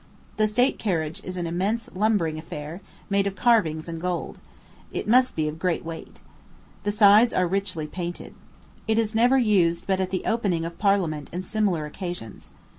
The state carriage is an immense lumbering affair, made of carvings and gold. It must be of great weight. The sides are richly painted. It is never used but at the opening of Parliament and similar occasions.